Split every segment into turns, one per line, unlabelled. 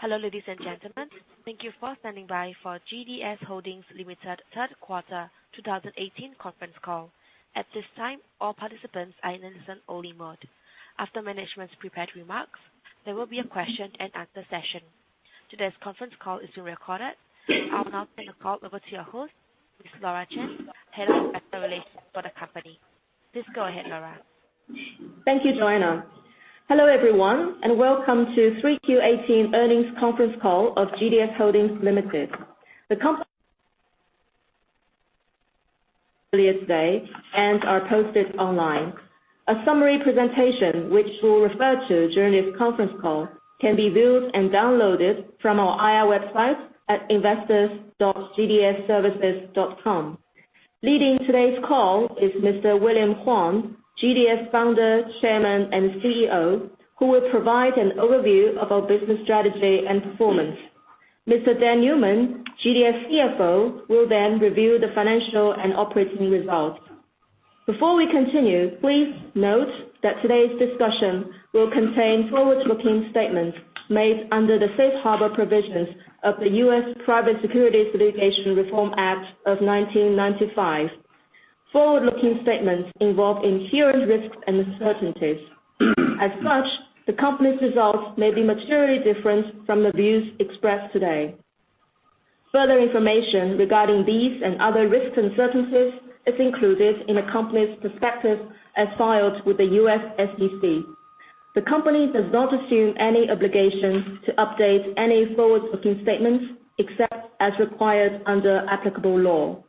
Hello, ladies and gentlemen. Thank you for standing by for GDS Holdings Limited third quarter 2018 conference call. At this time, all participants are in listen-only mode. After management's prepared remarks, there will be a question-and-answer session. Today's conference call is being recorded. I'll now turn the call over to your host, Ms. Laura Chen, Head of Investor Relations for the company. Please go ahead, Laura.
Thank you, Joanna. Hello, everyone, and welcome to 3Q18 earnings conference call of GDS Holdings Limited. The comp- earlier today and are posted online. A summary presentation, which we'll refer to during this conference call, can be viewed and downloaded from our IR website at investors.gdsservices.com. Leading today's call is Mr. William Huang, GDS Founder, Chairman, and CEO, who will provide an overview of our business strategy and performance. Mr. Dan Newman, GDS CFO, will then review the financial and operating results. Before we continue, please note that today's discussion will contain forward-looking statements made under the Safe Harbor provisions of the U.S. Private Securities Litigation Reform Act of 1995. Forward-looking statements involve inherent risks and uncertainties. As such, the company's results may be materially different from the views expressed today. Further information regarding these and other risks and uncertainties is included in the company's prospectus as filed with the U.S. SEC. The company does not assume any obligation to update any forward-looking statements, except as required under applicable law.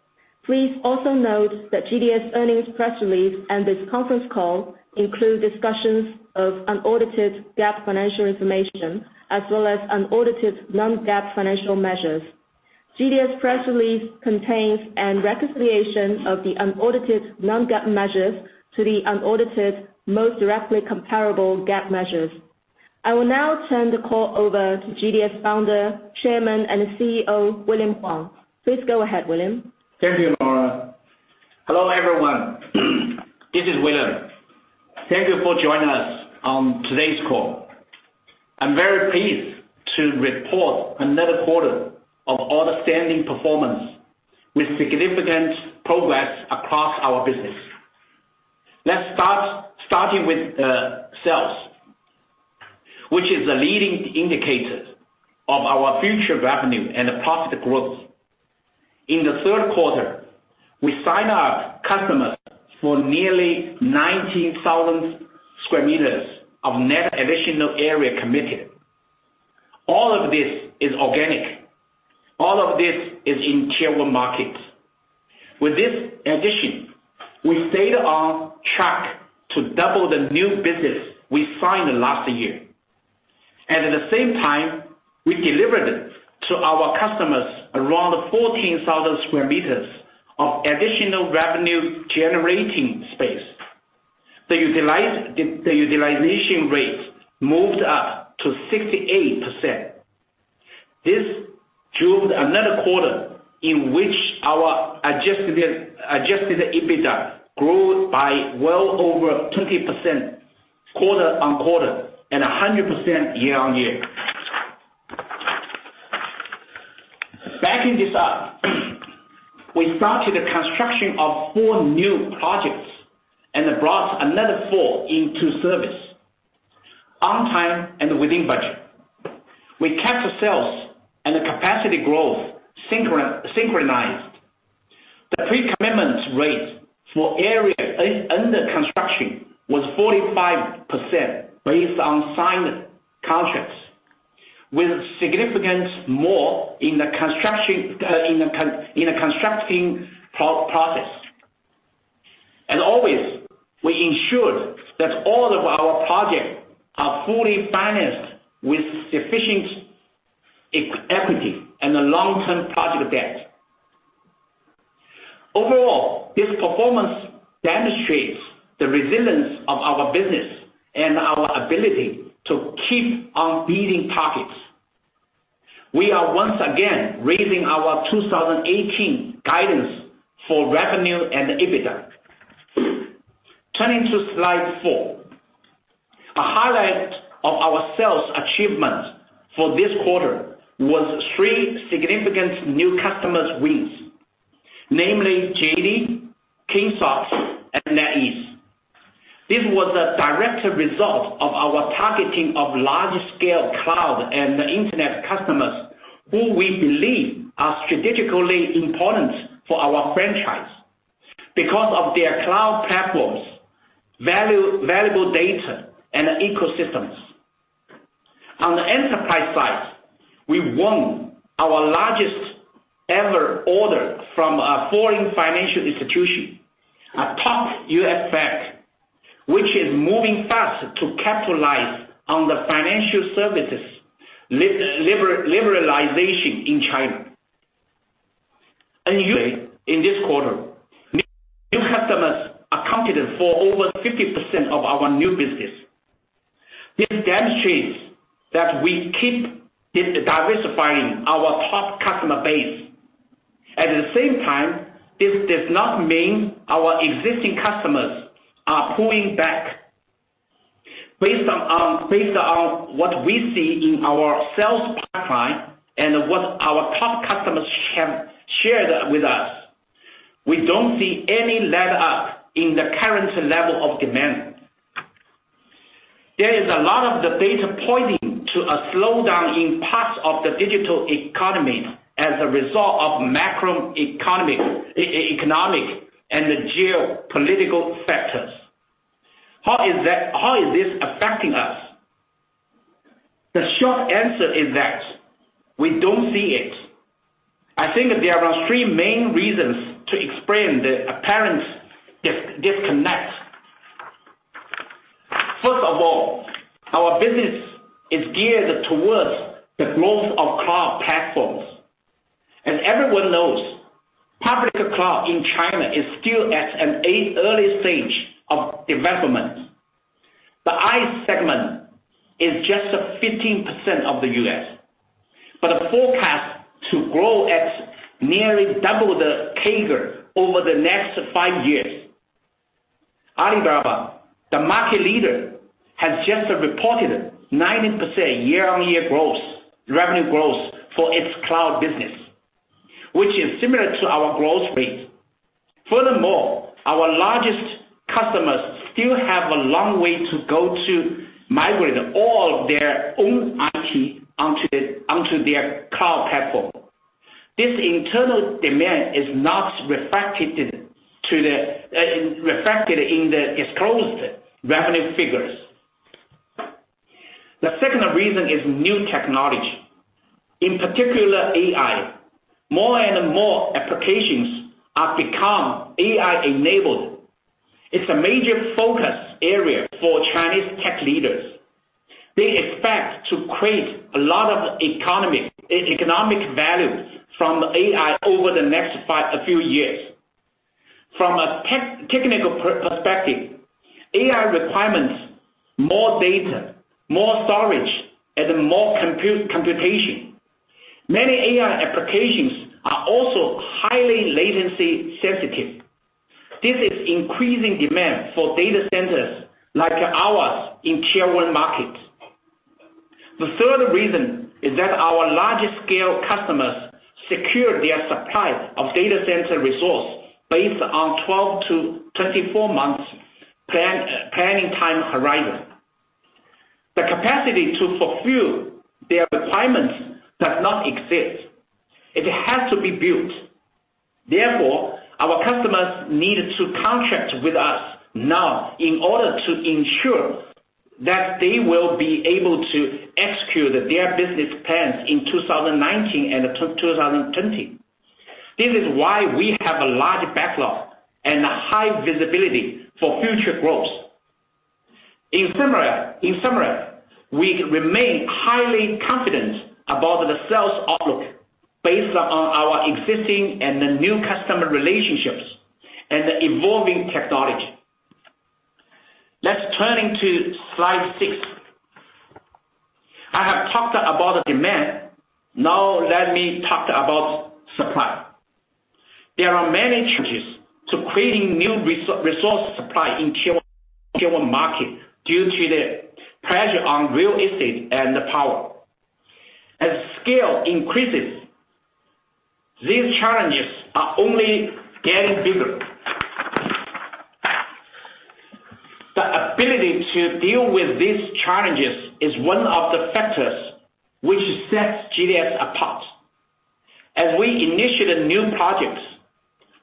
Please also note that GDS earnings press release and this conference call include discussions of unaudited GAAP financial information, as well as unaudited non-GAAP financial measures. GDS press release contains an reconciliation of the unaudited non-GAAP measures to the unaudited most directly comparable GAAP measures. I will now turn the call over to GDS Founder, Chairman, and CEO, William Huang. Please go ahead, William.
Thank you, Laura. Hello, everyone. This is William. Thank you for joining us on today's call. I'm very pleased to report another quarter of outstanding performance with significant progress across our business. Let's start with sales, which is a leading indicator of our future revenue and profit growth. In the third quarter, we signed up customers for nearly 19,000 sq m of net additional area committed. All of this is organic. All of this is in Tier 1 markets. With this addition, we stayed on track to double the new business we signed last year. At the same time, we delivered to our customers around 14,000 sq m of additional revenue-generating space. The utilization rate moved up to 68%. This drove another quarter in which our adjusted EBITDA grew by well over 20% quarter-over-quarter and 100% year-over-year. Backing this up, we started the construction of four new projects and brought another four into service on time and within budget. We kept sales and the capacity growth synchronized. The pre-commitment rate for areas under construction was 45% based on signed contracts, with significant more in the constructing process. As always, we ensured that all of our projects are fully financed with sufficient equity and long-term project debt. Overall, this performance demonstrates the resilience of our business and our ability to keep on beating targets. We are once again raising our 2018 guidance for revenue and EBITDA. Turning to slide four. A highlight of our sales achievement for this quarter was three significant new customers wins, namely JD.com, Kingsoft, and NetEase. This was a direct result of our targeting of large-scale cloud and internet customers who we believe are strategically important for our franchise because of their cloud platforms, valuable data, and ecosystems. On the enterprise side, we won our largest ever order from a foreign financial institution, a top U.S. bank, which is moving fast to capitalize on the financial services liberalization in China. Usually in this quarter, new customers accounted for over 50% of our new business. This demonstrates that we keep diversifying our top customer base. At the same time, this does not mean our existing customers are pulling back. Based on what we see in our sales pipeline and what our top customers have shared with us, we don't see any let-up in the current level of demand. There is a lot of debate pointing to a slowdown in parts of the digital economy as a result of macroeconomic and geopolitical factors. How is this affecting us? The short answer is that we don't see it. I think there are three main reasons to explain the apparent disconnect. First of all, our business is geared towards the growth of cloud platforms. As everyone knows, public cloud in China is still at an early stage of development. The I segment is just 15% of the U.S., but forecast to grow at nearly double the CAGR over the next five years. Alibaba, the market leader, has just reported 19% year-on-year revenue growth for its cloud business, which is similar to our growth rate. Furthermore, our largest customers still have a long way to go to migrate all their own IT onto their cloud platform. This internal demand is not reflected in the disclosed revenue figures. The second reason is new technology, in particular, AI. More and more applications are become AI-enabled. It's a major focus area for Chinese tech leaders. They expect to create a lot of economic value from AI over the next few years. From a technical perspective, AI requirements more data, more storage, and more computation. Many AI applications are also highly latency sensitive. This is increasing demand for data centers like ours in Tier 1 markets. The third reason is that our largest scale customers secure their supply of data center resource based on 12 to 24 months planning time horizon. The capacity to fulfill their requirements does not exist. It has to be built. Therefore, our customers need to contract with us now in order to ensure that they will be able to execute their business plans in 2019 and 2020. This is why we have a large backlog and high visibility for future growth. In summary, we remain highly confident about the sales outlook based on our existing and the new customer relationships and the evolving technology. Let's turning to slide six. I have talked about demand. Now let me talk about supply. There are many changes to creating new resource supply in Tier 1 market due to the pressure on real estate and power. As scale increases, these challenges are only getting bigger. The ability to deal with these challenges is one of the factors which sets GDS apart. As we initiate new projects,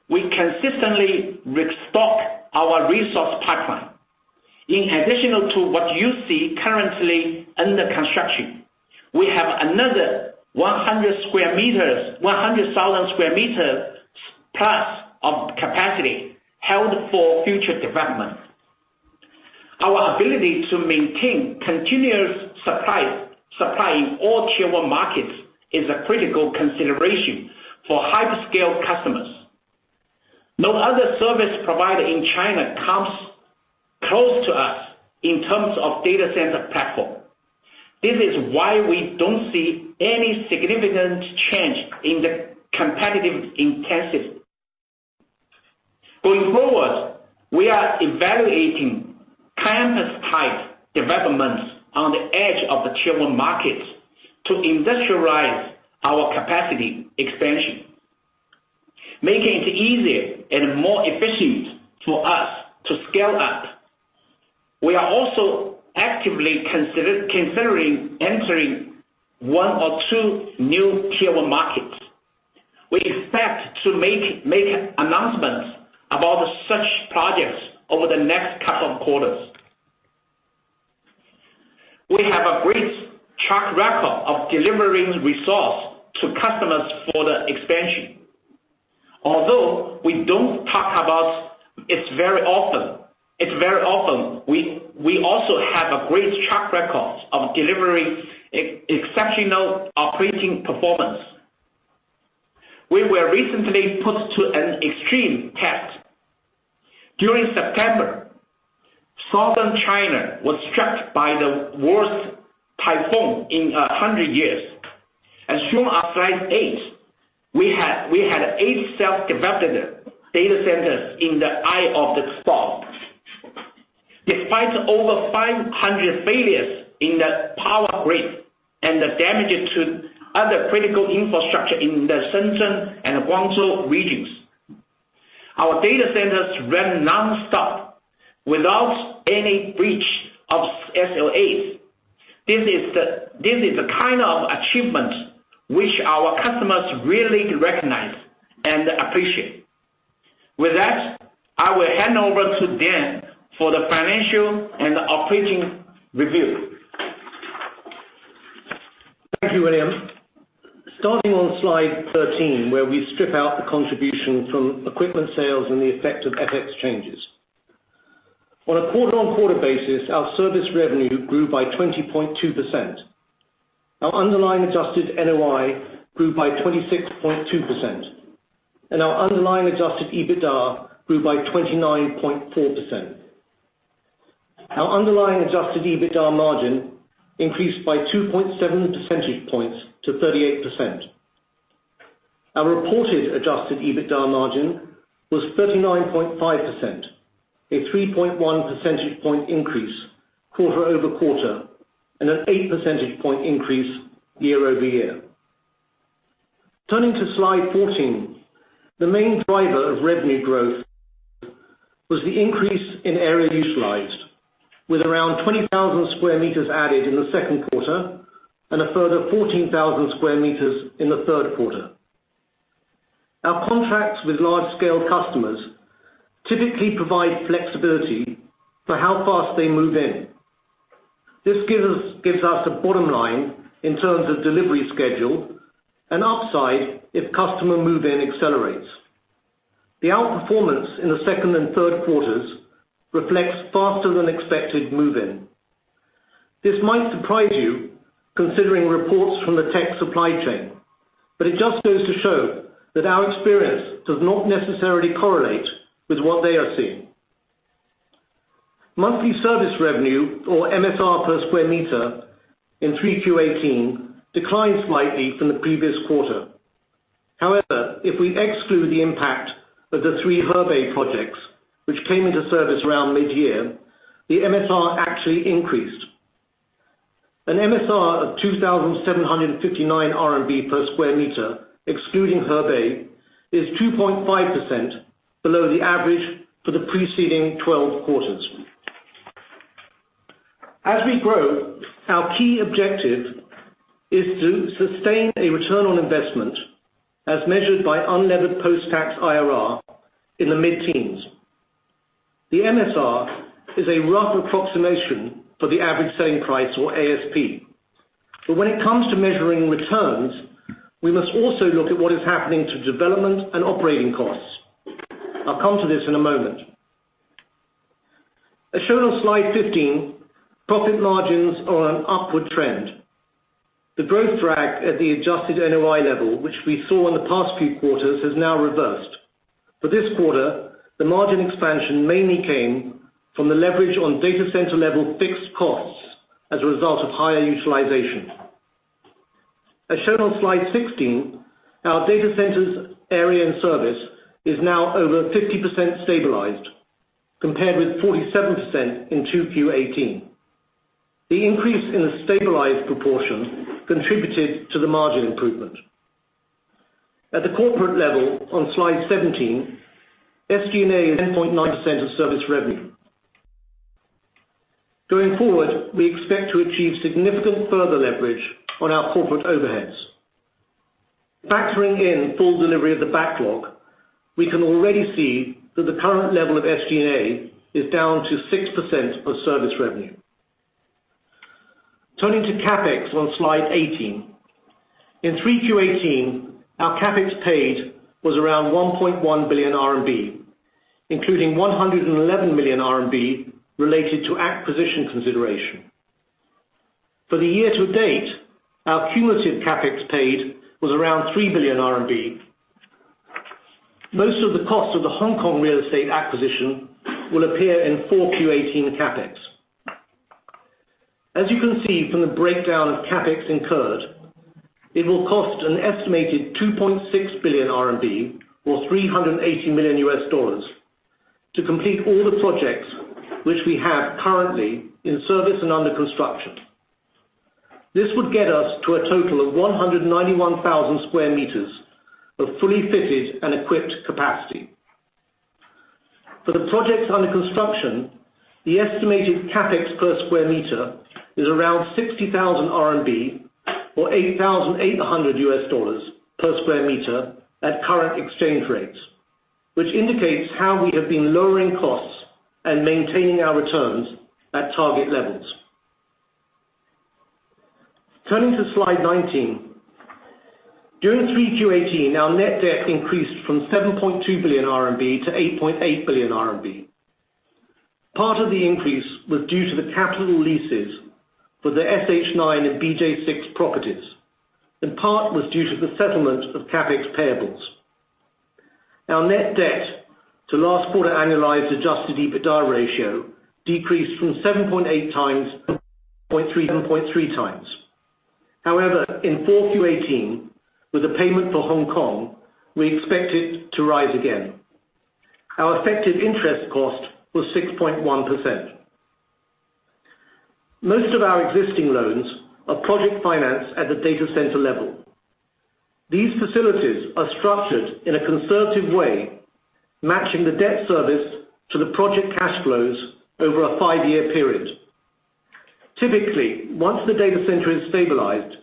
we consistently restock our resource pipeline. In addition to what you see currently under construction, we have another 100,000 sq m plus of capacity held for future development. Our ability to maintain continuous supply in all Tier 1 markets is a critical consideration for hyper-scale customers. No other service provider in China comes close to us in terms of data center platform. This is why we don't see any significant change in the competitive intensity. Going forward, we are evaluating campus-type developments on the edge of the Tier 1 markets to industrialize our capacity expansion, making it easier and more efficient for us to scale up. We are also actively considering entering one or two new Tier 1 markets. We expect to make announcements about such projects over the next couple of quarters. We have a great track record of delivering resource to customers for the expansion. Although we don't talk about it very often, we also have a great track record of delivering exceptional operating performance. We were recently put to an extreme test. During September, Southern China was struck by the worst typhoon in 100 years. Sure, on slide eight, we had eight self-developed data centers in the eye of the storm. Despite over 500 failures in the power grid and the damages to other critical infrastructure in the Shenzhen and Guangzhou regions, our data centers ran non-stop without any breach of SLAs. This is the kind of achievement which our customers really recognize and appreciate. With that, I will hand over to Dan for the financial and operating review.
Thank you, William. Starting on slide 13, where we strip out the contribution from equipment sales and the effect of FX changes. On a quarter-over-quarter basis, our service revenue grew by 20.2%. Our underlying adjusted NOI grew by 26.2%, and our underlying adjusted EBITDA grew by 29.4%. Our underlying adjusted EBITDA margin increased by 2.7 percentage points to 38%. Our reported adjusted EBITDA margin was 39.5%, a 3.1 percentage point increase quarter-over-quarter, and an eight percentage point increase year-over-year. Turning to slide 14. The main driver of revenue growth was the increase in area utilized, with around 20,000 sq m added in the second quarter, and a further 14,000 sq m in the third quarter. Our contracts with large-scale customers typically provide flexibility for how fast they move in. This gives us a bottom line in terms of delivery schedule, and upside if customer move-in accelerates. The outperformance in the second and third quarters reflects faster than expected move-in. This might surprise you considering reports from the tech supply chain, but it just goes to show that our experience does not necessarily correlate with what they are seeing. Monthly service revenue, or MSR per square meter, in 3Q18 declined slightly from the previous quarter. However, if we exclude the impact of the three Hebei projects which came into service around mid-year, the MSR actually increased. An MSR of 2,759 RMB per square meter, excluding Hebei, is 2.5% below the average for the preceding 12 quarters. As we grow, our key objective is to sustain a return on investment, as measured by unlevered post-tax IRR, in the mid-teens. The MSR is a rough approximation for the average selling price or ASP. When it comes to measuring returns, we must also look at what is happening to development and operating costs. I'll come to this in a moment. As shown on slide 15, profit margins are on an upward trend. The growth drag at the adjusted NOI level, which we saw in the past few quarters, has now reversed. For this quarter, the margin expansion mainly came from the leverage on data center level fixed costs as a result of higher utilization. As shown on slide 16, our data centers area and service is now over 50% stabilized, compared with 47% in 2Q18. The increase in the stabilized proportion contributed to the margin improvement. At the corporate level, on slide 17, SG&A is 10.9% of service revenue. Going forward, we expect to achieve significant further leverage on our corporate overheads. Factoring in full delivery of the backlog, we can already see that the current level of SG&A is down to 6% of service revenue. Turning to CapEx on slide 18. In 3Q18, our CapEx paid was around 1.1 billion RMB, including 111 million RMB related to acquisition consideration. For the year to date, our cumulative CapEx paid was around 3 billion RMB. Most of the cost of the Hong Kong real estate acquisition will appear in 4Q18 CapEx. As you can see from the breakdown of CapEx incurred, it will cost an estimated 2.6 billion RMB or $380 million U.S. to complete all the projects which we have currently in service and under construction. This would get us to a total of 191,000 square meters of fully fitted and equipped capacity. For the projects under construction, the estimated CapEx per square meter is around 60,000 RMB or $8,800 U.S. per square meter at current exchange rates, which indicates how we have been lowering costs and maintaining our returns at target levels. Turning to slide 19. During 3Q18, our net debt increased from 7.2 billion RMB to 8.8 billion RMB. Part of the increase was due to the capital leases for the SH9 and BJ6 properties, and part was due to the settlement of CapEx payables. Our net debt to last quarter annualized adjusted EBITDA ratio decreased from 7.8 times to 7.3 times. However, in 4Q18, with the payment for Hong Kong, we expect it to rise again. Our effective interest cost was 6.1%. Most of our existing loans are project finance at the data center level. These facilities are structured in a conservative way, matching the debt service to the project cash flows over a five-year period. Typically, once the data center is stabilized,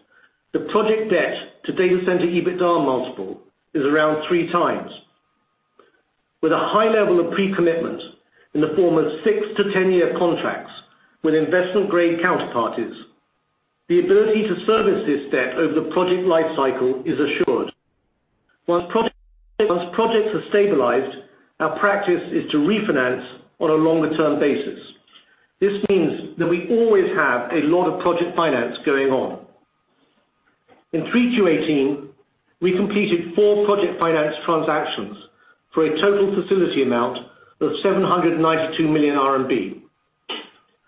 the project debt to data center EBITDA multiple is around three times. With a high level of pre-commitment in the form of six to 10-year contracts with investment grade counterparties, the ability to service this debt over the project life cycle is assured. Once projects are stabilized, our practice is to refinance on a longer-term basis. This means that we always have a lot of project finance going on. In 3Q18, we completed four project finance transactions for a total facility amount of 792 million RMB.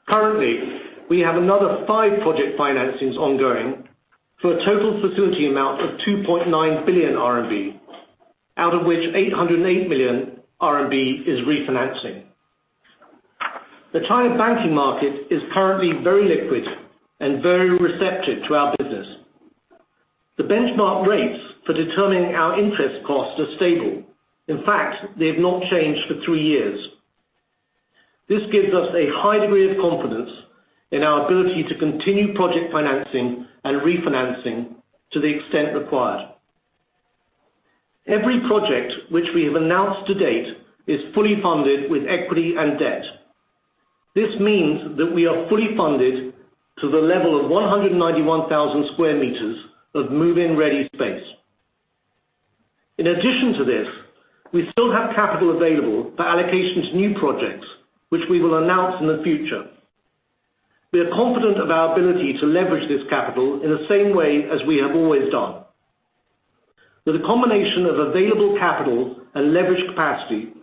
Currently, we have another five project financings ongoing for a total facility amount of 2.9 billion RMB, out of which 808 million RMB is refinancing. The China banking market is currently very liquid and very receptive to our business. The benchmark rates for determining our interest costs are stable. In fact, they have not changed for three years. This gives us a high degree of confidence in our ability to continue project financing and refinancing to the extent required. Every project which we have announced to date is fully funded with equity and debt. This means that we are fully funded to the level of 191,000 square meters of move-in ready space. In addition to this, we still have capital available for allocation to new projects, which we will announce in the future. We are confident of our ability to leverage this capital in the same way as we have always done. With a combination of available capital and leverage capacity,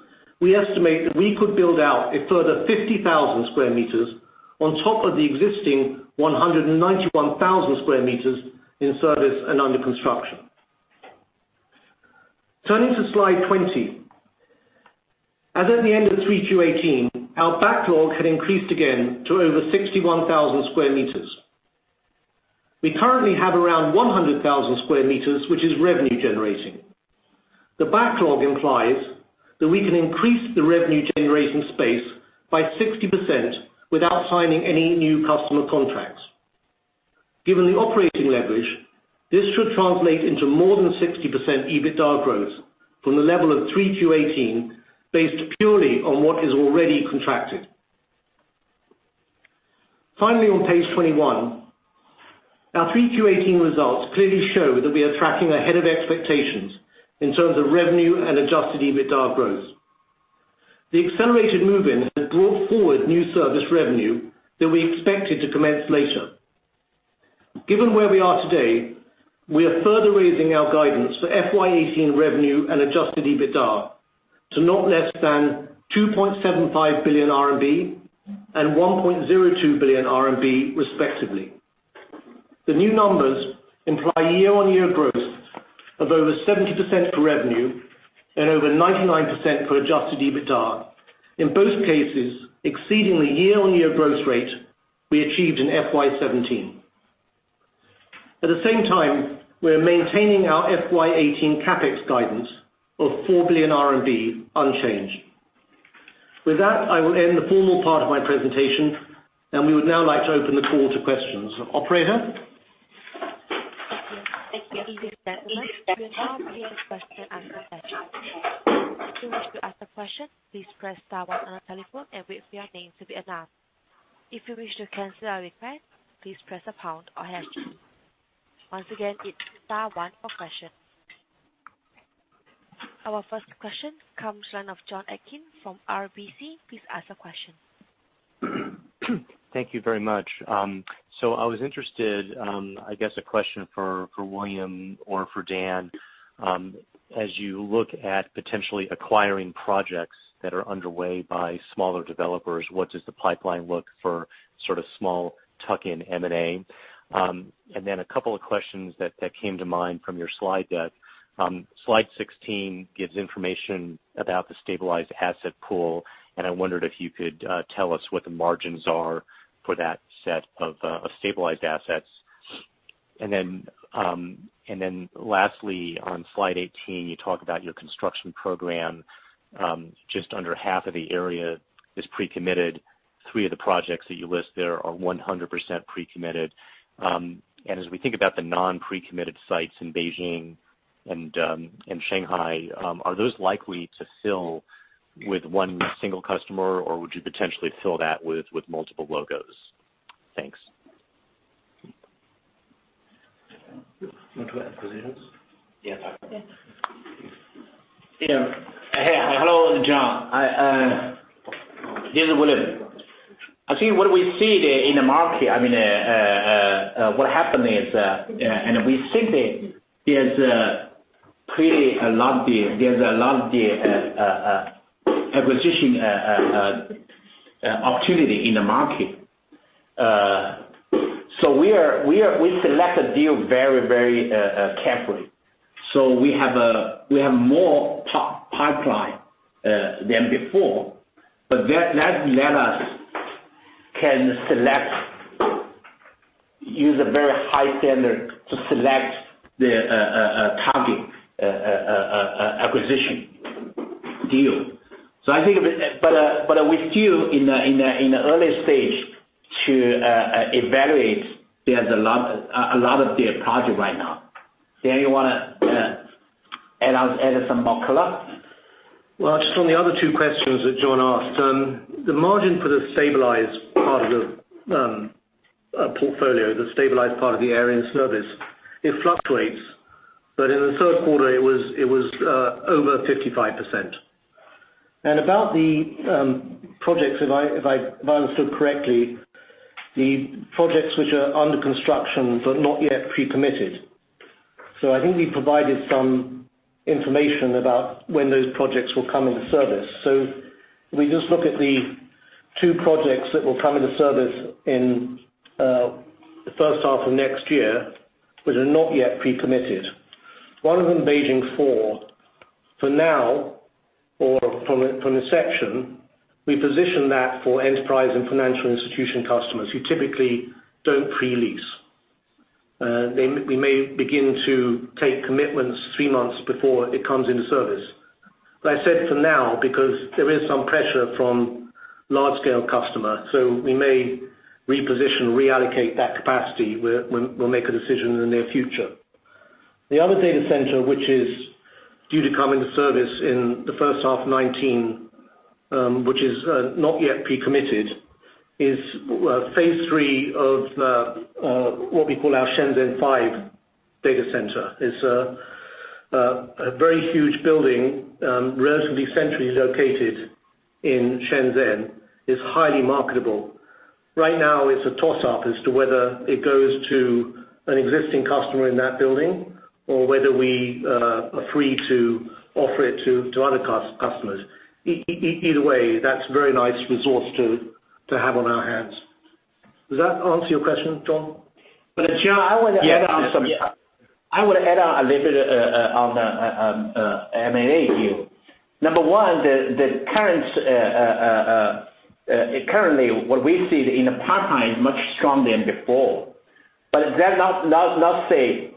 we estimate that we could build out a further 50,000 square meters on top of the existing 191,000 square meters in service and under construction. Turning to slide 20. As at the end of 3Q18, our backlog had increased again to over 61,000 square meters. We currently have around 100,000 square meters, which is revenue generating. The backlog implies that we can increase the revenue generation space by 60% without signing any new customer contracts. Given the operating leverage, this should translate into more than 60% EBITDA growth from the level of 3Q18, based purely on what is already contracted. Finally, on page 21. Our 3Q18 results clearly show that we are tracking ahead of expectations in terms of revenue and adjusted EBITDA growth. The accelerated move-in has brought forward new service revenue that we expected to commence later. Given where we are today, we are further raising our guidance for FY18 revenue and adjusted EBITDA to not less than 2.75 billion RMB and 1.02 billion RMB respectively. The new numbers imply year-on-year growth of over 70% for revenue and over 99% for adjusted EBITDA, in both cases exceeding the year-on-year growth rate we achieved in FY17. At the same time, we are maintaining our FY18 CapEx guidance of 4 billion RMB unchanged. With that, I will end the formal part of my presentation, and we would now like to open the call to questions. Operator?
Yes. Thank you. We will now begin the question and answer session. If you wish to ask a question, please press star one on your telephone and wait for your name to be announced. If you wish to cancel a request, please press pound or hash. Once again, it's star one for questions. Our first question comes in line of Jonathan Atkin from RBC. Please ask your question.
Thank you very much. I was interested, I guess a question for William or for Dan. As you look at potentially acquiring projects that are underway by smaller developers, what does the pipeline look for sort of small tuck-in M&A? And then a couple of questions that came to mind from your slide deck. Slide 16 gives information about the stabilized asset pool, and I wondered if you could tell us what the margins are for that set of stabilized assets. And then lastly, on slide 18, you talk about your construction program. Just under half of the area is pre-committed. Three of the projects that you list there are 100% pre-committed. And as we think about the non pre-committed sites in Beijing and Shanghai, are those likely to fill with one single customer, or would you potentially fill that with multiple logos? Thanks.
You want to acquisitions?
Yeah.
Yeah.
Yeah. Hello, John. This is William. I think what we see in the market, what happened is, and we think that there's a lot there, acquisition opportunity in the market. We select a deal very carefully. We have more top pipeline than before, but that let us can select, use a very high standard to select the target acquisition deal. We still in the early stage to evaluate. There's a lot of the project right now. Dan, you want to add some more color?
Well, just on the other two questions that John asked. The margin for the stabilized part of the portfolio, the stabilized part of the area in service, it fluctuates. In the third quarter, it was over 55%. About the projects, if I understood correctly, the projects which are under construction, but not yet pre-committed. I think we provided some information about when those projects will come into service. If we just look at the two projects that will come into service in the first half of next year, which are not yet pre-committed. One of them, Beijing Four, for now, or from inception, we position that for enterprise and financial institution customers who typically don't pre-lease. We may begin to take commitments three months before it comes into service. I said for now, because there is some pressure from large scale customer, we may reposition, reallocate that capacity. We'll make a decision in the near future. The other data center, which is due to come into service in the first half 2019, which is not yet pre-committed, is phase three of what we call our Shenzhen Five data center. It's a very huge building, relatively centrally located in Shenzhen, is highly marketable. Right now it's a toss-up as to whether it goes to an existing customer in that building or whether we are free to offer it to other customers. Either way, that's very nice resource to have on our hands. Does that answer your question, John?
John, I want to add on some.
Yeah.
I want to add on a little bit on the M&A deal. Number 1, currently what we see in the pipeline is much stronger than before, that not say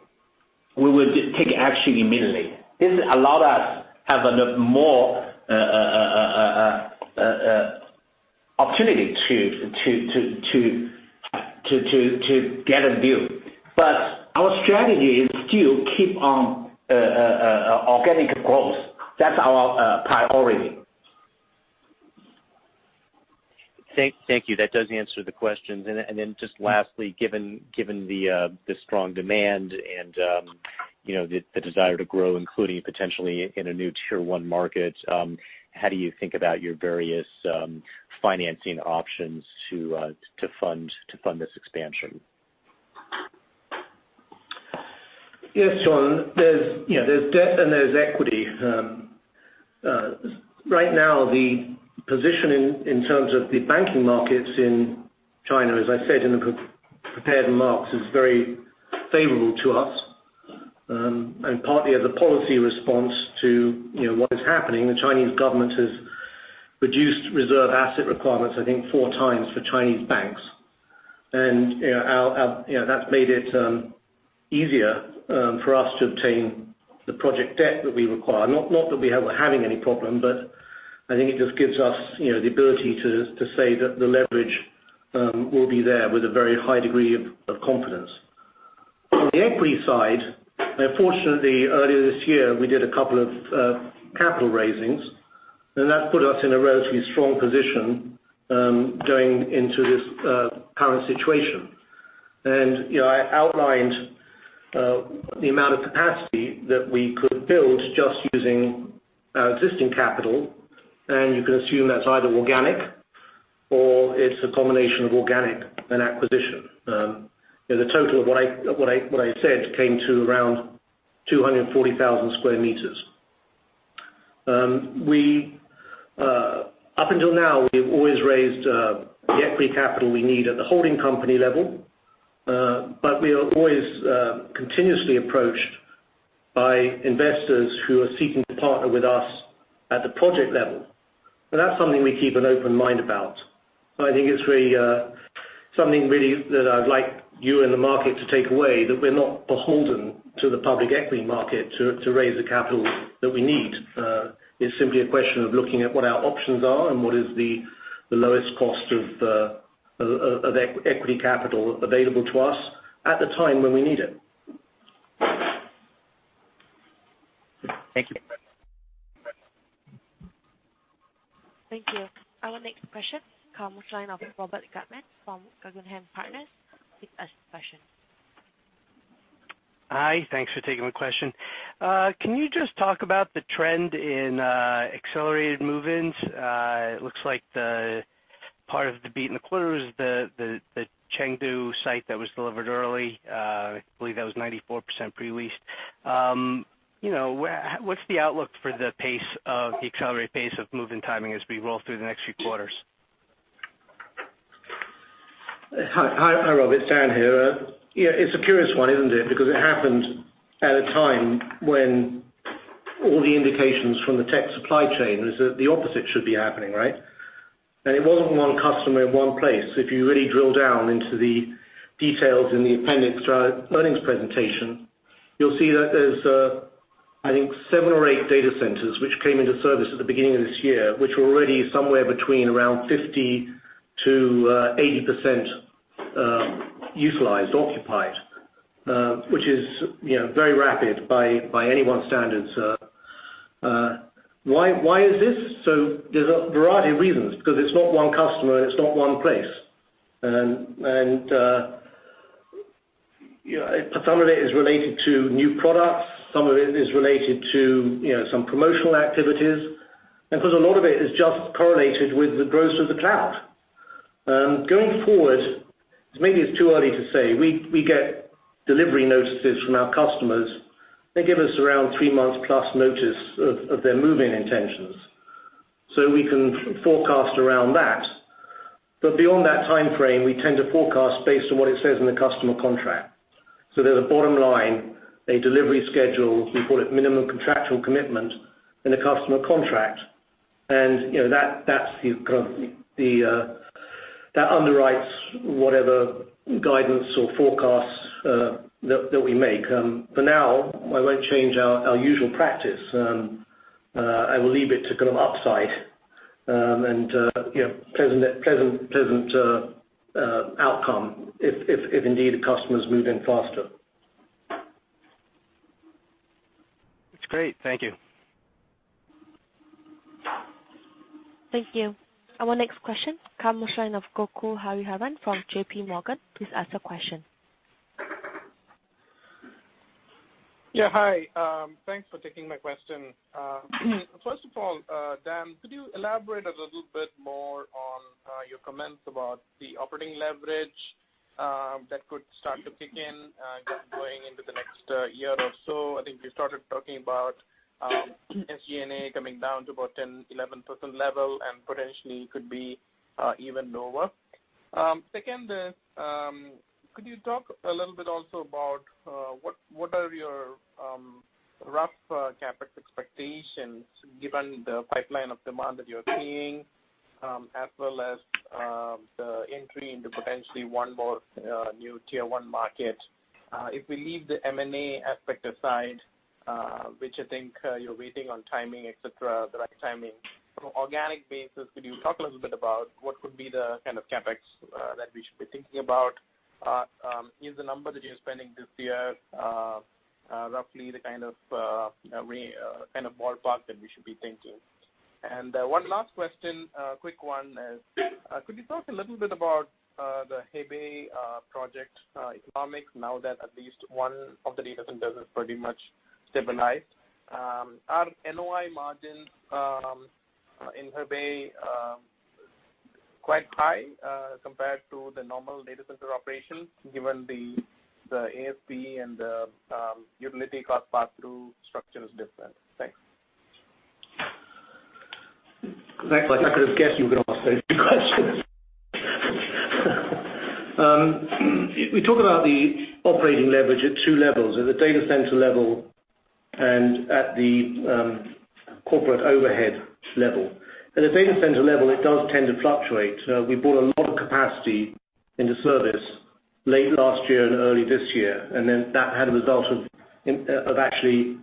we would take action immediately. This allow us have more opportunity to get a deal. Our strategy is still keep on organic growth. That's our priority.
Thank you. That does answer the questions. Just lastly, given the strong demand and the desire to grow, including potentially in a new tier 1 market, how do you think about your various financing options to fund this expansion?
Yes, John. There's debt and there's equity. Right now, the position in terms of the banking markets in China, as I said in the prepared remarks, is very favorable to us. Partly as a policy response to what is happening, the Chinese government has reduced reserve asset requirements, I think, four times for Chinese banks. That's made it easier for us to obtain the project debt that we require. Not that we are having any problem, but I think it just gives us the ability to say that the leverage will be there with a very high degree of confidence. On the equity side, fortunately, earlier this year, we did a couple of capital raisings, and that put us in a relatively strong position, going into this current situation. I outlined the amount of capacity that we could build just using our existing capital, and you can assume that's either organic or it's a combination of organic and acquisition. The total of what I said came to around 240,000 sq m. Up until now, we've always raised the equity capital we need at the holding company level. We are always continuously approached by investors who are seeking to partner with us at the project level. That's something we keep an open mind about. I think it's something really that I'd like you in the market to take away, that we're not beholden to the public equity market to raise the capital that we need. It's simply a question of looking at what our options are and what is the lowest cost of equity capital available to us at the time when we need it.
Thank you.
Thank you. Our next question comes line of Robert Gutman from Guggenheim Partners. Please ask your question.
Hi. Thanks for taking my question. Can you just talk about the trend in accelerated move-ins? It looks like the part of the beat and the clues, the Chengdu site that was delivered early, I believe that was 94% pre-leased. What's the outlook for the accelerated pace of move-in timing as we roll through the next few quarters?
Hi, Rob. It's Dan here. Yeah, it's a curious one, isn't it? Because it happened at a time when all the indications from the tech supply chain is that the opposite should be happening, right? It wasn't one customer in one place. If you really drill down into the details in the appendix to our earnings presentation, you'll see that there's, I think, seven or eight data centers, which came into service at the beginning of this year, which were already somewhere between around 50%-80% utilized, occupied, which is very rapid by anyone's standards. Why is this? There's a variety of reasons, because it's not one customer and it's not one place. Some of it is related to new products, some of it is related to some promotional activities. Of course, a lot of it is just correlated with the growth of the cloud. Going forward, maybe it's too early to say. We get delivery notices from our customers. They give us around three months plus notice of their move-in intentions. We can forecast around that. Beyond that timeframe, we tend to forecast based on what it says in the customer contract. There's a bottom line, a delivery schedule, we call it minimum contractual commitment in the customer contract. That underwrites whatever guidance or forecasts that we make. For now, I won't change our usual practice. I will leave it to kind of upside, and pleasant outcome if indeed the customers move in faster.
That's great. Thank you.
Thank you. Our next question, comes line of Gokul Hariharan from J.P. Morgan. Please ask your question.
Yeah, hi. Thanks for taking my question. First of all, Dan, could you elaborate a little bit more on your comments about the operating leverage that could start to kick in, just going into the next year or so? I think you started talking about SG&A coming down to about 10%, 11% level and potentially could be even lower. Second, could you talk a little bit also about what are your rough CapEx expectations given the pipeline of demand that you're seeing, as well as the entry into potentially one more new tier 1 market? If we leave the M&A aspect aside, which I think you're waiting on timing, et cetera, the right timing. From organic basis, could you talk a little bit about what could be the kind of CapEx that we should be thinking about? Is the number that you're spending this year roughly the kind of ballpark that we should be thinking? One last question, a quick one is, could you talk a little bit about the Hebei project economics now that at least one of the data centers is pretty much stabilized? Are NOI margins in Hebei quite high compared to the normal data center operations given the ASP and the utility cost pass through structure is different? Thanks.
Like I could've guessed you were going to ask those questions. We talk about the operating leverage at two levels, at the data center level and at the corporate overhead level. At the data center level, it does tend to fluctuate. We brought a lot of capacity into service late last year and early this year, then that had a result of actually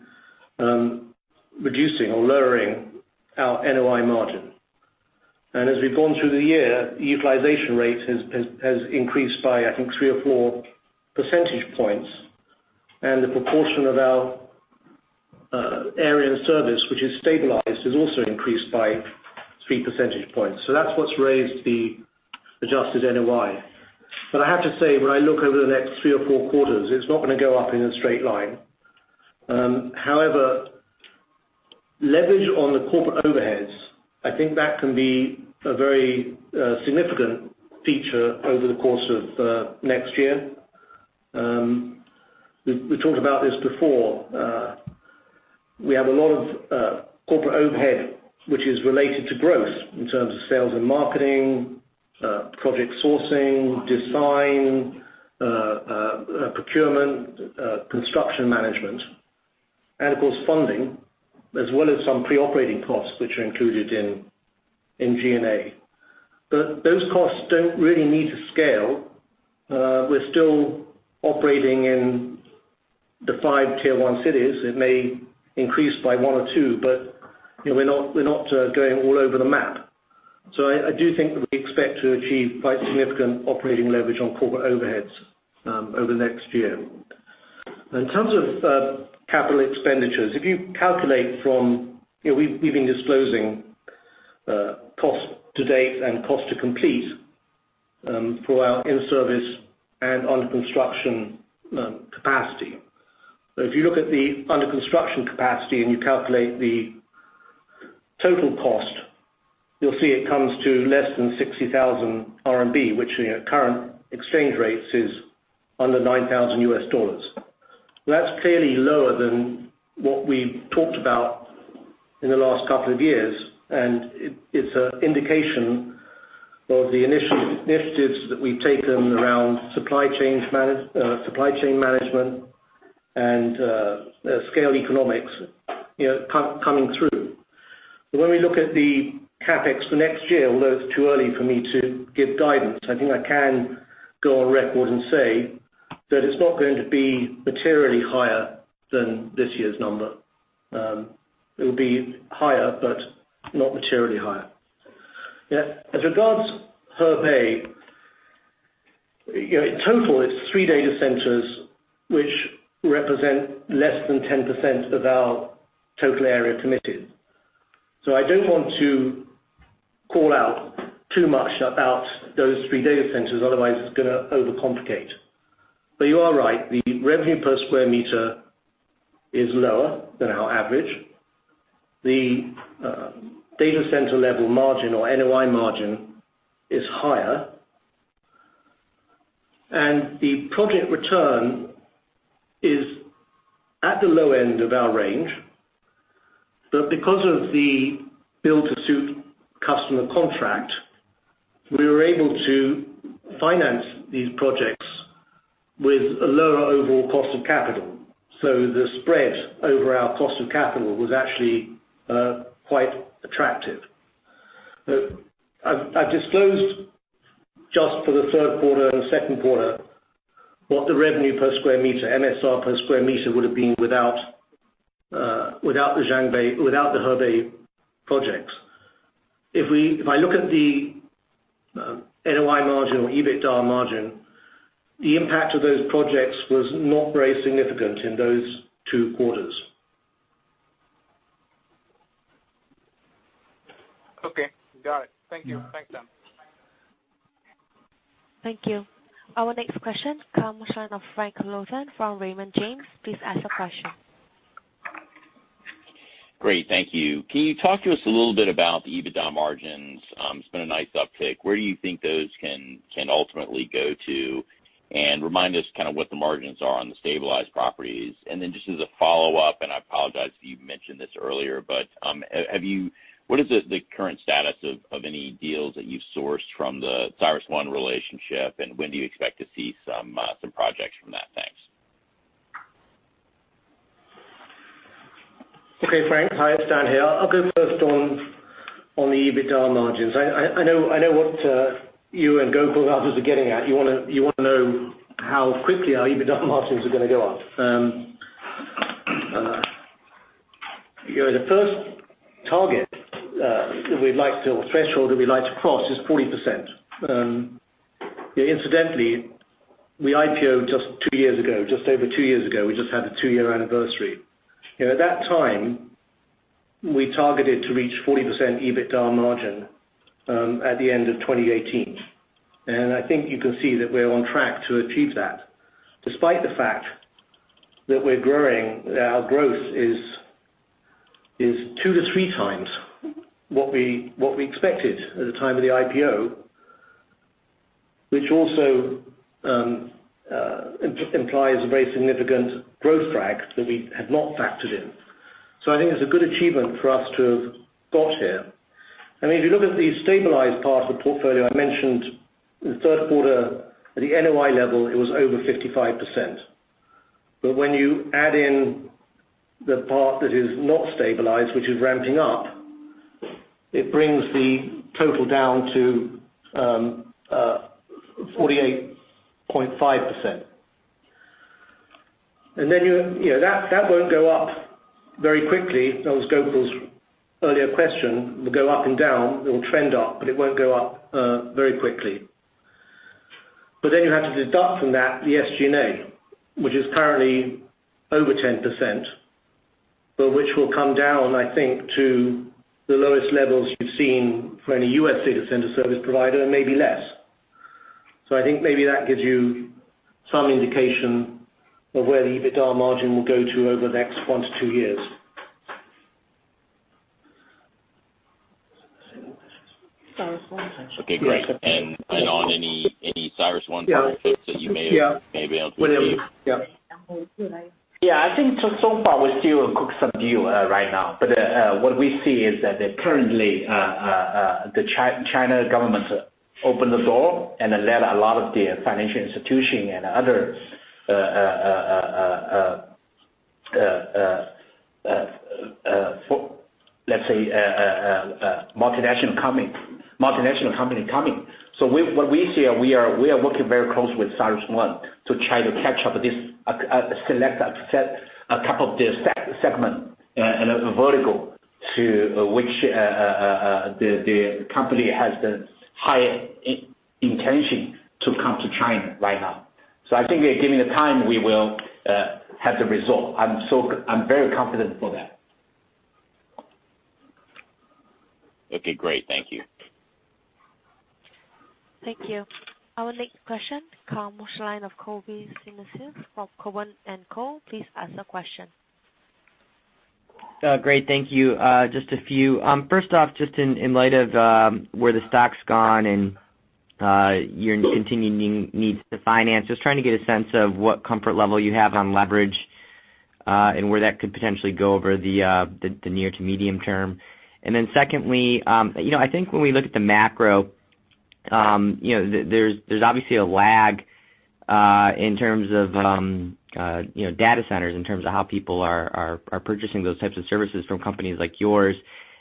reducing or lowering our NOI margin. As we've gone through the year, the utilization rate has increased by, I think, three or four percentage points. The proportion of our area in service, which is stabilized, has also increased by three percentage points. That's what's raised the adjusted NOI. I have to say, when I look over the next three or four quarters, it's not going to go up in a straight line. However, leverage on the corporate overheads, I think that can be a very significant feature over the course of next year. We talked about this before. We have a lot of corporate overhead, which is related to growth in terms of sales and marketing, project sourcing, design, procurement, construction management, and of course, funding, as well as some pre-operating costs, which are included in G&A. Those costs don't really need to scale. We're still operating in the five tier 1 cities. It may increase by one or two, but we're not going all over the map. I do think that we expect to achieve quite significant operating leverage on corporate overheads over the next year. In terms of capital expenditures, if you calculate, we've been disclosing cost to date and cost to complete for our in-service and under-construction capacity. If you look at the under-construction capacity and you calculate the total cost, you'll see it comes to less than 60,000 RMB, which in current exchange rates is under $9,000. That's clearly lower than what we've talked about in the last couple of years, and it's an indication of the initiatives that we've taken around supply chain management and scale economics coming through. When we look at the CapEx for next year, although it's too early for me to give guidance, I think I can go on record and say that it's not going to be materially higher than this year's number. It'll be higher, but not materially higher. As regards Hebei, in total, it's three data centers, which represent less than 10% of our total area committed. I don't want to call out too much about those three data centers. Otherwise, it's going to overcomplicate. You are right, the revenue per square meter is lower than our average. The data center level margin or NOI margin is higher, and the project return is at the low end of our range. Because of the build to suit customer contract, we were able to finance these projects with a lower overall cost of capital. The spread over our cost of capital was actually quite attractive. I've disclosed just for the third quarter and the second quarter what the revenue per square meter, MSR per square meter would have been without the Hebei projects. If I look at the NOI margin or EBITDA margin, the impact of those projects was not very significant in those two quarters.
Okay. Got it. Thank you. Thanks, Dan.
Thank you. Our next question comes from Frank Louthan from Raymond James. Please ask a question.
Great. Thank you. Can you talk to us a little bit about the EBITDA margins? It's been a nice uptick. Where do you think those can ultimately go to? Remind us kind of what the margins are on the stabilized properties. Just as a follow-up, and I apologize if you've mentioned this earlier, but what is the current status of any deals that you've sourced from the CyrusOne relationship, and when do you expect to see some projects from that? Thanks.
Okay. Frank, hi, it's Dan here. I'll go first on the EBITDA margins. I know what you and Gokul others are getting at. You want to know how quickly our EBITDA margins are going to go up. The first target that we'd like to, or threshold that we'd like to cross, is 40%. Incidentally, we IPO'd just two years ago, just over two years ago. We just had a two-year anniversary. At that time, we targeted to reach 40% EBITDA margin at the end of 2018. I think you can see that we're on track to achieve that despite the fact that we're growing. Our growth is two to three times what we expected at the time of the IPO, which also implies a very significant growth track that we had not factored in. I think it's a good achievement for us to have got here. If you look at the stabilized part of the portfolio, I mentioned in the third quarter, at the NOI level, it was over 55%. When you add in the part that is not stabilized, which is ramping up, it brings the total down to 48.5%. That won't go up very quickly. That was Gokul's earlier question. It will go up and down. It will trend up, but it won't go up very quickly. You have to deduct from that the SG&A, which is currently over 10%, but which will come down, I think, to the lowest levels you've seen for any U.S. data center service provider, and maybe less. I think maybe that gives you some indication of where the EBITDA margin will go to over the next one to two years.
Okay, great. On any CyrusOne benefits that you may be able to give?
Yeah. I think so far we still cook some deal right now. What we see is that currently the China government opened the door and let a lot of the financial institution and other, let's say, multinational company coming. What we see, we are working very closely with CyrusOne to try to catch up with this, select a set, a couple of their segment and vertical to which the company has the high intention to come to China right now. I think that given the time, we will have the result. I'm very confident for that. Okay, great. Thank you.
Thank you. Our next question comes line of Colby Synesael from Cowen and Company. Please ask the question.
Great. Thank you. Just a few. First off, just in light of where the stock's gone and your continuing needs to finance. Just trying to get a sense of what comfort level you have on leverage, and where that could potentially go over the near to medium term. Secondly, I think when we look at the macro, there's obviously a lag in terms of data centers, in terms of how people are purchasing those types of services from companies like yours.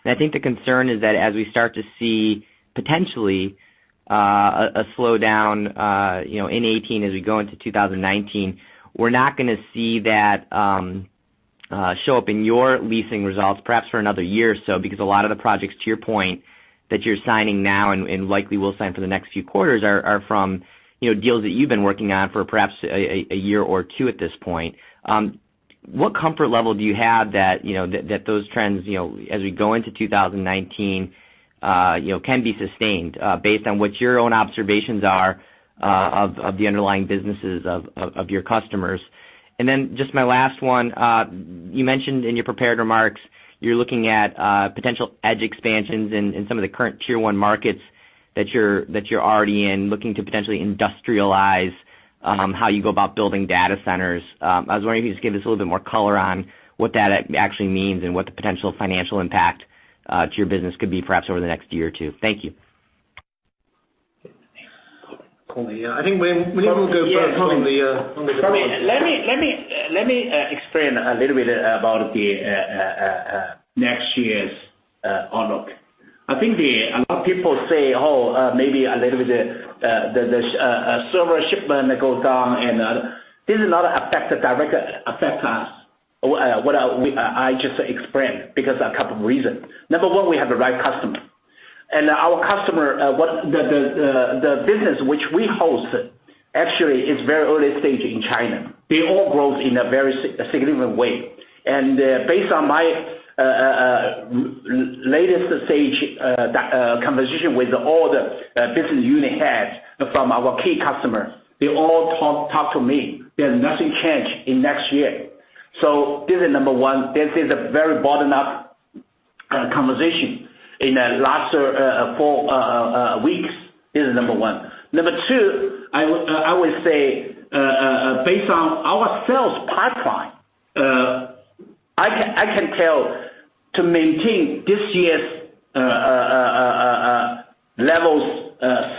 I think the concern is that as we start to see, potentially, a slowdown in 2018 as we go into 2019, we're not going to see that show up in your leasing results perhaps for another year or so. Because a lot of the projects, to your point, that you're signing now and likely will sign for the next few quarters are from deals that you've been working on for perhaps a year or two at this point. What comfort level do you have that those trends, as we go into 2019, can be sustained? Based on what your own observations are of the underlying businesses of your customers. Just my last one. You mentioned in your prepared remarks, you're looking at potential edge expansions in some of the current Tier 1 markets that you're already in, looking to potentially industrialize how you go about building data centers. I was wondering if you could just give us a little bit more color on what that actually means and what the potential financial impact to your business could be, perhaps over the next year or two. Thank you.
William will go first on the. Let me explain a little bit about the next year's outlook. A lot of people say, "Oh, maybe a little bit, the server shipment goes down." This is not a direct affect us what I just explained, because a couple of reasons. Number 1, we have the right customer. Our customer, the business which we host actually is very early stage in China. They all grow in a very significant way. Based on my latest stage conversation with all the business unit heads from our key customers, they all talk to me. There's nothing changed in next year. This is number 1. This is a very bottom-up conversation in the last four weeks. This is number 1. Number 2, I would say, based on our sales pipeline, I can tell to maintain this year's levels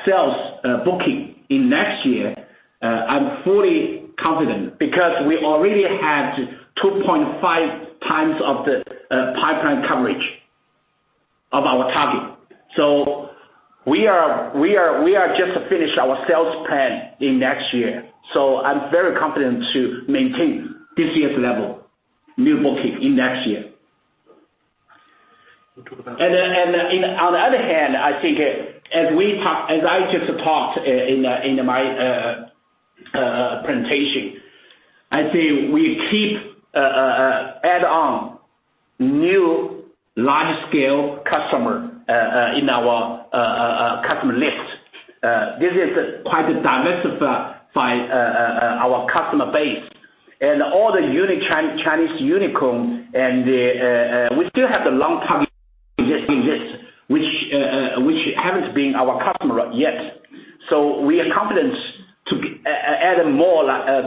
sales booking in next year. I'm fully confident because we already had 2.5 times of the pipeline coverage of our target. We are just finish our sales plan in next year. I'm very confident to maintain this year's level, new booking in next year. On the other hand, as I just talked in my presentation, I say we keep add on new large-scale customer in our customer list. This is quite diversified our customer base. All the Chinese unicorn and we still have the long-term exist in years, which haven't been our customer yet. We are confident to add more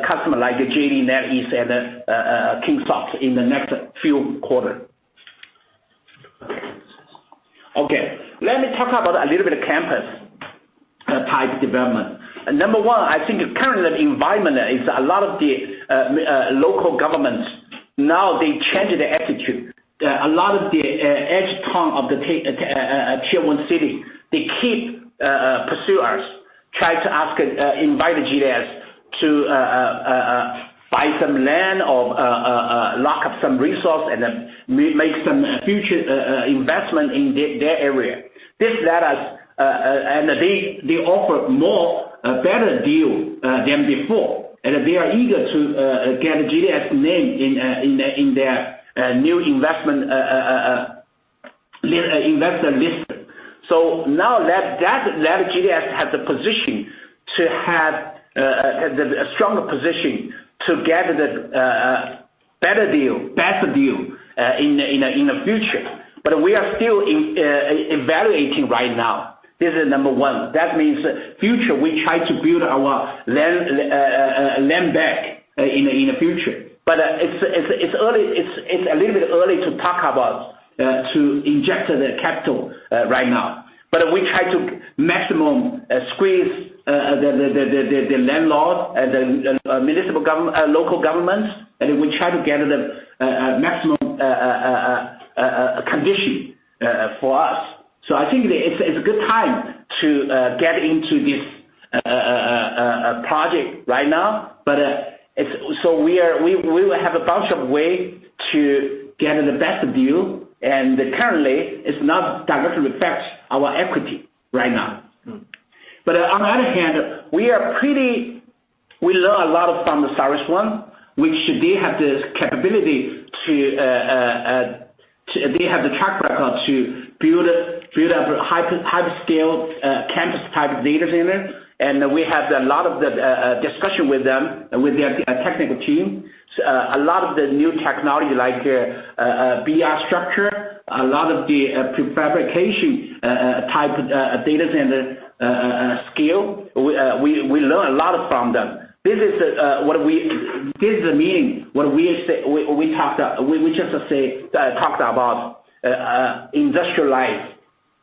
customer like JD.com, NetEase, and Kingsoft in the next few quarter. Okay, let me talk about a little bit of campus type development. Number one, I think currently the environment is a lot of the local governments now they change their attitude. A lot of the edge town of the Tier 1 city, they keep pursue us, try to invite GDS to buy some land or lock up some resource and then make some future investment in their area. They offer more better deal than before, and they are eager to get GDS name in their new investment list. Now that GDS have the position to have a stronger position to get the better deal, best deal in the future. We are still evaluating right now. This is number one. That means future, we try to build our land bank in the future. It's a little bit early to talk about, to inject the capital right now. We try to maximum squeeze the landlord and the local governments, and we try to get the maximum condition for us. I think it's a good time to get into this A project right now. We will have a bunch of way to get the best deal, and currently it's not directly affects our equity right now. On the other hand, we learn a lot from CyrusOne, which they have the track record to build up a hyperscale campus type data center. A lot of the new technology like VR structure, a lot of the prefabrication type data center scale, we learn a lot from them. This is the meaning when we talked about industrialize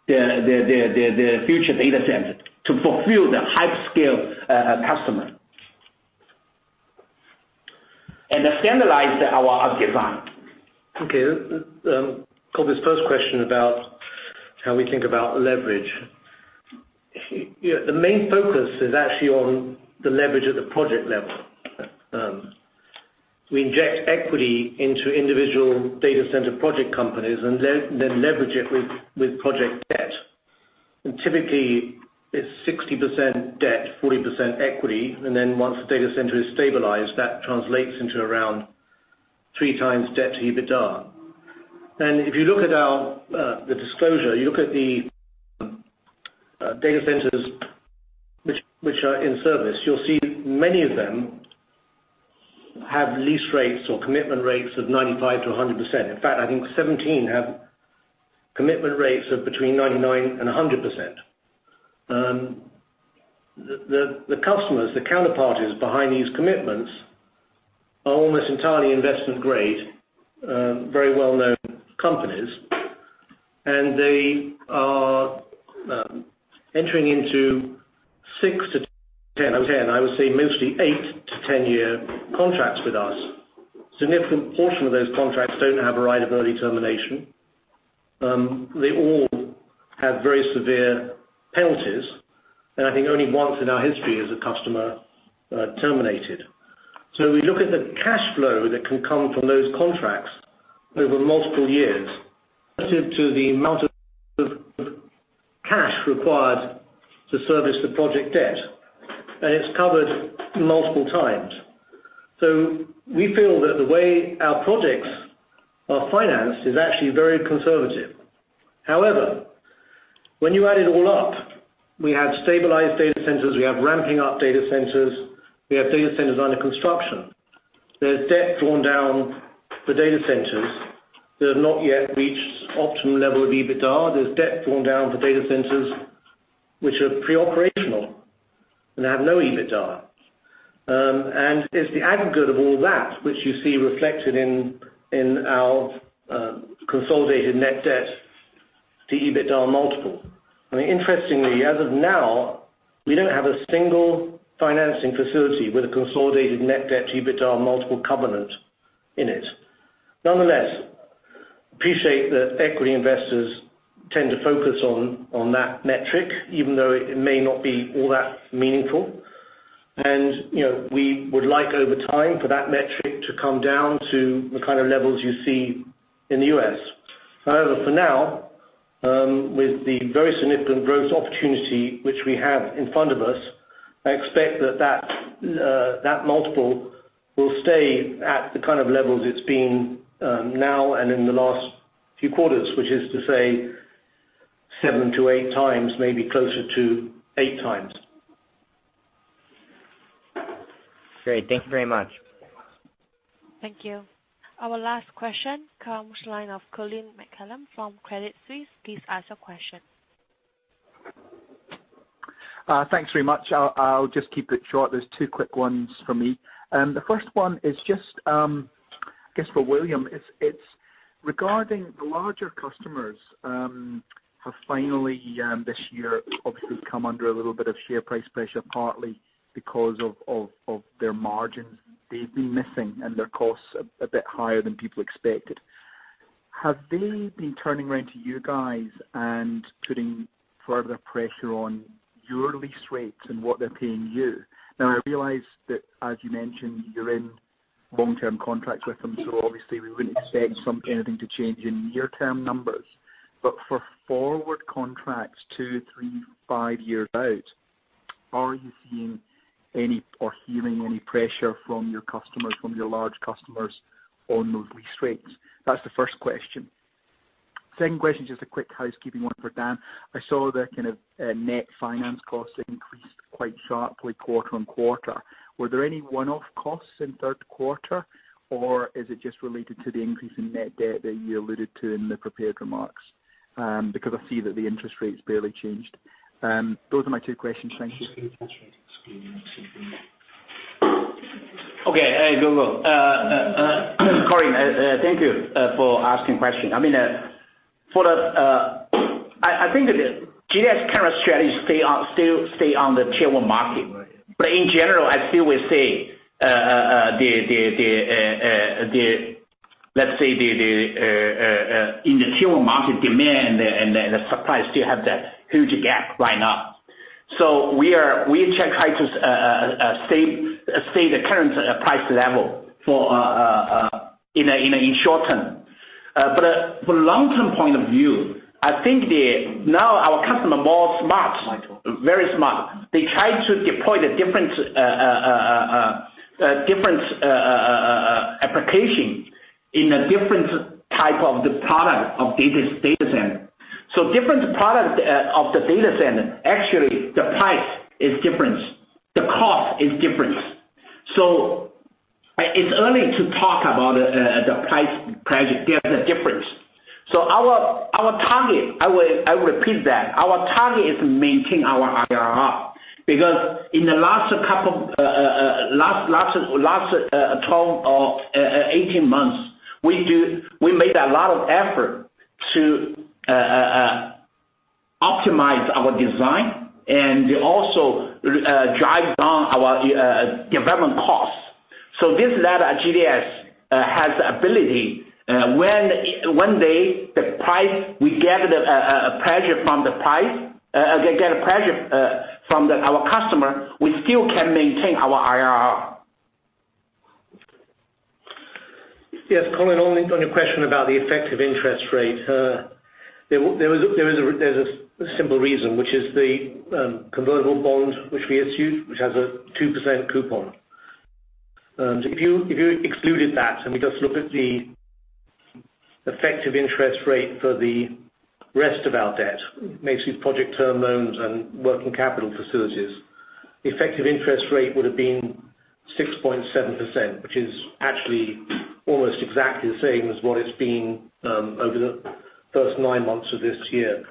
the future data center to fulfill the hyperscale customer. Standardize our design.
Okay. Colby's first question about how we think about leverage. The main focus is actually on the leverage at the project level. We inject equity into individual data center project companies, and then leverage it with project debt. Typically, it's 60% debt, 40% equity, and then once the data center is stabilized, that translates into around 3x debt to EBITDA. If you look at the disclosure, you look at the data centers which are in service, you'll see many of them have lease rates or commitment rates of 95%-100%. In fact, I think 17 have commitment rates of between 99% and 100%. The customers, the counterparties behind these commitments are almost entirely investment grade, very well-known companies, and they are entering into 6 to 10, I would say mostly 8 to 10 year contracts with us. Significant portion of those contracts don't have a right of early termination. They all have very severe penalties, and I think only once in our history has a customer terminated. We look at the cash flow that can come from those contracts over multiple years relative to the amount of cash required to service the project debt, and it's covered multiple times. We feel that the way our projects are financed is actually very conservative. However, when you add it all up, we have stabilized data centers, we have ramping up data centers, we have data centers under construction. There's debt drawn down for data centers that have not yet reached optimum level of EBITDA. There's debt drawn down for data centers which are pre-operational and have no EBITDA. It's the aggregate of all that which you see reflected in our consolidated net debt to EBITDA multiple. Interestingly, as of now, we don't have a single financing facility with a consolidated net debt to EBITDA multiple covenant in it. Nonetheless, appreciate that equity investors tend to focus on that metric, even though it may not be all that meaningful. We would like over time for that metric to come down to the kind of levels you see in the U.S. However, for now, with the very significant growth opportunity which we have in front of us, I expect that multiple will stay at the kind of levels it's been now and in the last few quarters, which is to say seven to eight times, maybe closer to eight times.
Great. Thank you very much.
Thank you. Our last question comes line of Colin McCallum from Credit Suisse. Please ask your question.
Thanks very much. I'll just keep it short. There's two quick ones for me. The first one is just, I guess for William, it's regarding the larger customers have finally this year obviously come under a little bit of share price pressure, partly because of their margins they've been missing and their costs a bit higher than people expected. Have they been turning around to you guys and putting further pressure on your lease rates and what they're paying you? Now I realize that as you mentioned, you're in long-term contracts with them, so obviously we wouldn't expect anything to change in near-term numbers. But for forward contracts two, three, five years out, are you seeing any or hearing any pressure from your large customers on those lease rates? That's the first question. Second question, just a quick housekeeping one for Dan. I saw the kind of net finance costs increased quite sharply quarter-on-quarter. Were there any one-off costs in third quarter, or is it just related to the increase in net debt that you alluded to in the prepared remarks? Because I see that the interest rates barely changed. Those are my two questions. Thank you.
Okay. Go. Colin, thank you for asking question. I think GDS kind of strategy still stay on the Tier 1 market. In general, I still will say, let's say, in the Tier 1 market demand and the supply still have that huge gap right now. We check how to stay the current price level in short-term. For long-term point of view, I think now our customer more smart.
Michael.
Very smart. They try to deploy the different application in a different type of the product of data center. Different product of the data center, actually, the price is different, the cost is different. It's early to talk about the price difference. Our target, I will repeat that, our target is to maintain our IRR. In the last 12 or 18 months, we made a lot of effort to optimize our design and also drive down our development costs. This latter at GDS has ability, one day the price, we get a pressure from our customer, we still can maintain our IRR.
Yes, Colin, on your question about the effective interest rate. There's a simple reason, which is the convertible bond which we issued, which has a 2% coupon. If you excluded that and we just look at the effective interest rate for the rest of our debt, mainly project term loans and working capital facilities, the effective interest rate would have been 6.7%, which is actually almost exactly the same as what it's been over the first nine months of this year.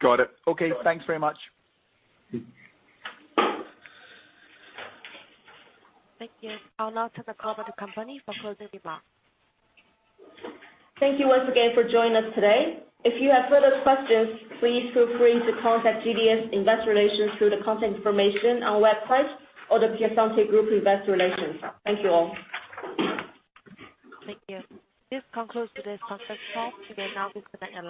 Got it. Okay, thanks very much.
Thank you. I'll now turn the call back to company for closing remarks.
Thank you once again for joining us today. If you have further questions, please feel free to contact GDS investor relations through the contact information on website or the The Piacente Group investor relations. Thank you all.
Thank you. This concludes today's conference call. You may now disconnect your line.